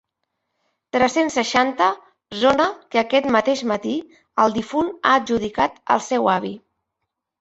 Tres-cents seixanta zona que aquest mateix matí el difunt ha adjudicat al seu avi.